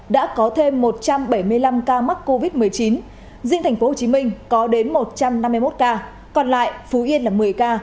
đã có thêm một trăm bảy mươi năm ca mắc covid một mươi chín riêng tp hcm có đến một trăm năm mươi một ca còn lại phú yên là một mươi ca